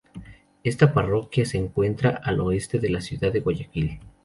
Esta parroquia se encuentra al oeste de la ciudad de Guayaquil.